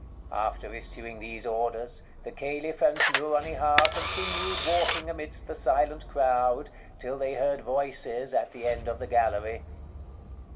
After issuing these orders, the Caliph and Nouronihar continued walking amidst the silent crowd, till they heard voices at the end of the gallery.